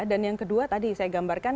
dan yang kedua tadi saya gambarkan